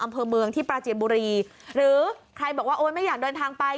อำเภอเมืองที่ปราจีนบุรีหรือใครบอกว่าโอ๊ยไม่อยากเดินทางไป